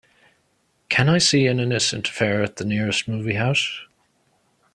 Can I see An Innocent Affair at the nearest movie house.